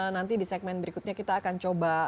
nanti di segmen berikutnya kita akan coba